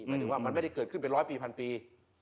หมายถึงว่ามันไม่ได้เกิดขึ้นเป็นร้อยปีพันปี